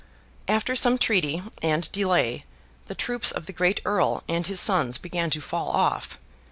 After some treaty and delay, the troops of the great Earl and his sons began to fall off.